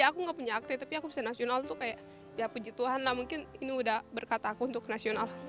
aku nggak punya akte tapi aku bisa nasional tuh kayak ya puji tuhan lah mungkin ini udah berkata aku untuk nasional